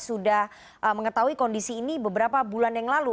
sudah mengetahui kondisi ini beberapa bulan yang lalu